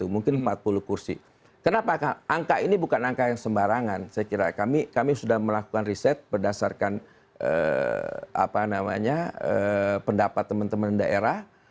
mungkin empat puluh kursi kenapa angka ini bukan angka yang sembarangan saya kira kami sudah melakukan riset berdasarkan pendapat teman teman daerah